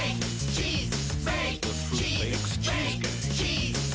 チーズ！